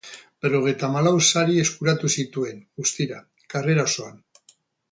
Berrogeita hamalau sari eskuratu zituen, guztira, karrera osoan.